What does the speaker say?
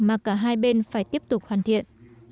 mà cả hai bên phải tiếp tục hoàn thiện